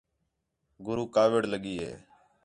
گُروک کاوِڑ لڳی ہِے